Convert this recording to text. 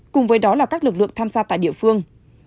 cùng với đó là các lực lượng tham gia tại địa phương